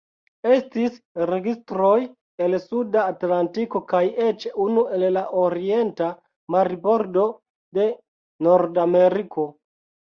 Estis registroj el Suda Atlantiko kaj eĉ unu el la orienta marbordo de Nordameriko.